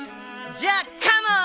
じゃあカモーン！